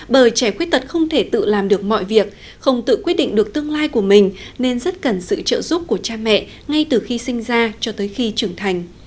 bởi trẻ khuyết tật không thể tự làm được mọi việc không tự quyết định được tương lai của mình nên rất cần sự trợ giúp của cha mẹ ngay từ khi sinh ra cho tới khi trưởng thành